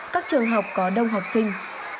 các trường học có đông học sinh